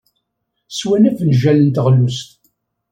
Swan afenjal n teɣlust.